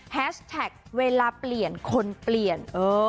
แฮชแท็กเวลาเปลี่ยนคนเปลี่ยน